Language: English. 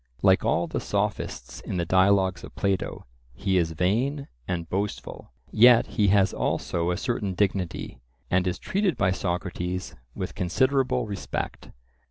Like all the Sophists in the dialogues of Plato, he is vain and boastful, yet he has also a certain dignity, and is treated by Socrates with considerable respect.